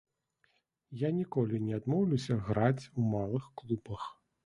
Я ніколі не адмоўлюся граць у малых клубах.